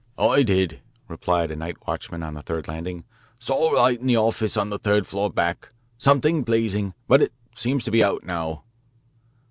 "I did," replied a night watchman on the third landing. "Saw a light in the office on the third floor back something blazing. But it seems to be out now."